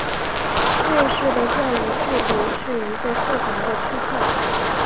瑞士的教育制度是一个复杂的区块。